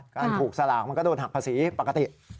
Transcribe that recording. การถูกสลากมันก็โดนหักภาษีปกติ